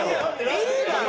いいだろ！